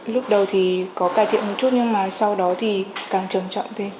lúc đầu thì có cải thiện một chút nhưng mà sau đó thì càng trầm trọng thêm